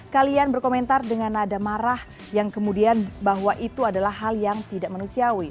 kalian berkomentar dengan nada marah yang kemudian bahwa itu adalah hal yang tidak manusiawi